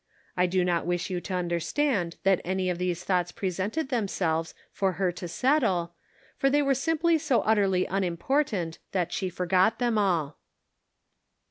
I do not wish you to understand that any of these thoughts presented themselves for her to settle ; they were simply so utterly unimportant that she forgot them all.